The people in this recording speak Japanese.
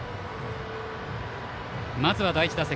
まずは第１打席